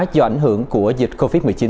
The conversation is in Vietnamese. do ảnh hưởng của dịch covid một mươi chín